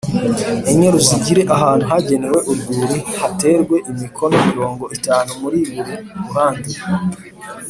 enye ruzagire ahantu hagenewe urwuri haterwe imikono mirongo itanu muri buri ruhande